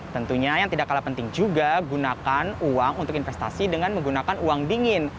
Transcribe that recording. tentunya yang tidak kalah penting juga gunakan uang untuk investasi dengan menggunakan uang dingin